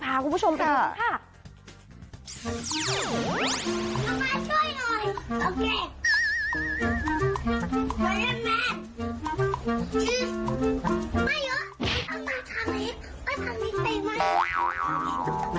พาคุณผู้ชมไปดูค่ะ